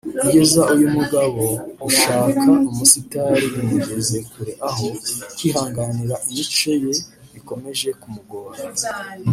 Kugeza uyu mugabo gushaka umusitari bimugeze kure aho kwihanganira imico ye bikomeje kumugora